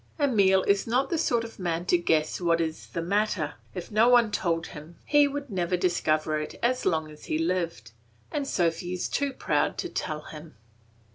Emile is not the sort of man to guess what is the matter; if no one told him he would never discover it as long as he lived, and Sophy is too proud to tell him.